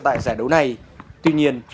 tại giải đấu này tuy nhiên